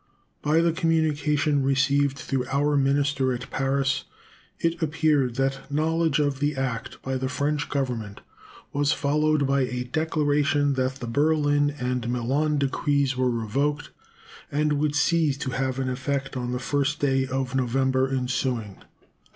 By the communication received through our minister at Paris it appeared that knowledge of the act by the French Government was followed by a declaration that the Berlin and Milan decrees were revoked, and would cease to have effect on the first day of November ensuing.